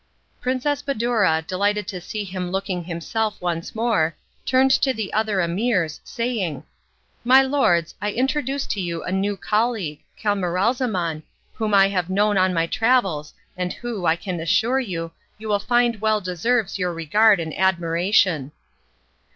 Princess Badoura, delighted to see him looking himself once more, turned to the other emirs, saying: "My lords, I introduce to you a new colleague, Camaralzaman, whom I have known on my travels and who, I can assure you, you will find well deserves your regard and admiration."